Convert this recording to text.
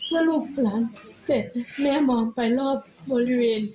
ถ้าลูกหลังเจ็บแม่มองไปรอบบริเวณ